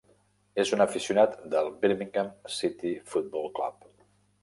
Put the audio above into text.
És un aficionat del Birmingham City Football Club.